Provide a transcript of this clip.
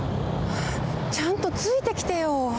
ちゃんとついてきてよ。